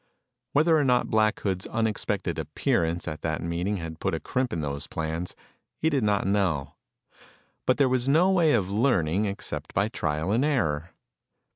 Whether or not Black Hood's unexpected appearance at that meeting had put a crimp in those plans, he did not know. But there was no way of learning except by trial and error.